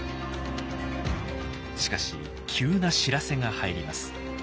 しかし急な知らせが入ります。